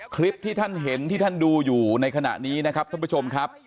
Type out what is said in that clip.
คลิปที่ท่านเห็นที่ท่านดูอยู่ในขณะนี้นะครับท่านผู้ชมครับ